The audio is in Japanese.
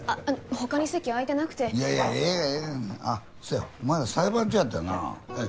他に席あいてなくていやいやええがなそやお前ら裁判中やったなええ